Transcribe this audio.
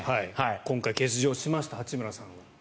今回欠場しました八村さんは。